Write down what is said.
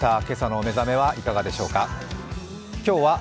今朝のお目覚めはいかがでしょう。